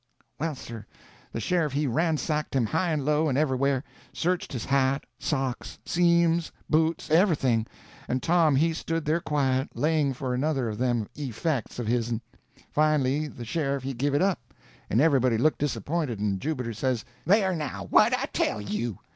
] Well, sir, the sheriff he ransacked him high and low, and everywhere: searched his hat, socks, seams, boots, everything—and Tom he stood there quiet, laying for another of them effects of hisn. Finally the sheriff he give it up, and everybody looked disappointed, and Jubiter says: "There, now! what'd I tell you?"